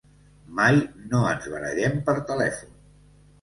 Mai no ens barallem per telèfon.